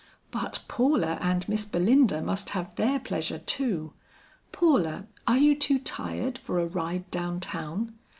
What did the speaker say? "But Paula and Miss Belinda must have their pleasure too. Paula, are you too tired for a ride down town?